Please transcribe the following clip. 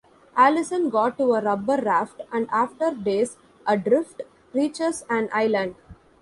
Allison got to a rubber raft and after days adrift, reaches an island.